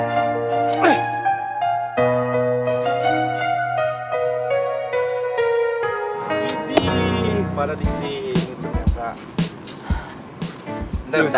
gini valer disini ternyata